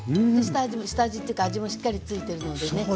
下味というか味もしっかりついてるのでね。